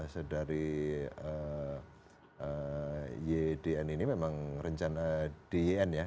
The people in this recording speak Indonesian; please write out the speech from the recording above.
sedari ydn ini memang rencana dyn ya